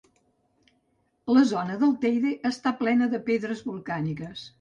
La zona del Teide està plena de pedres volcàniques.